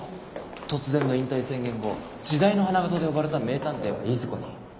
突然の引退宣言後時代の花形と呼ばれた名探偵はいずこに？